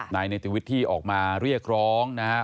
นายเนติวิทย์ที่ออกมาเรียกร้องนะครับ